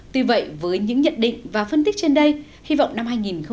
tuy vậy với những nhận định và phân tích trên đây hy vọng năm hai nghìn một mươi chín